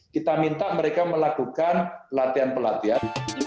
kita minta mereka melakukan pelatihan pelatihan